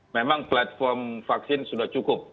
memang platform vaksin sudah cukup